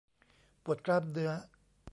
ปวดกล้ามเนื้อ